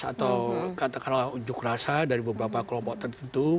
atau katakanlah unjuk rasa dari beberapa kelompok tertentu